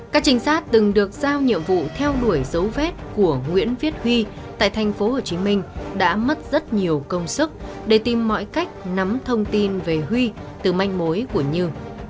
các trình sát từng được giao nhiệm vụ theo đuổi dấu vết của nguyễn việt huy tại thành phố hồ chí minh đã mất rất nhiều công sức để tìm mọi cách nắm thông tin về huy từ manh mối của như